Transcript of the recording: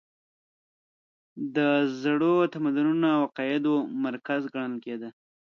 د زړو تمدنونو او عقایدو مرکز ګڼل کېده.